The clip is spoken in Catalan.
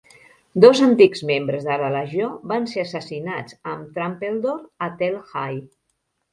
Dos antics membres de la Legió van ser assassinats amb Trumpeldor a Tel Hai.